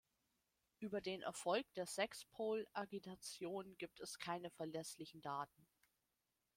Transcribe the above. Über den Erfolg der Sexpol-Agitation gibt es keine verlässlichen Daten.